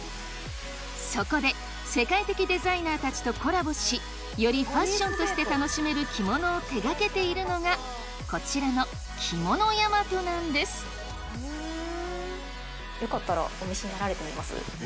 そこで世界的デザイナーたちとコラボしよりファッションとして楽しめる着物を手掛けているのがこちらのきものやまとなんですよかったら。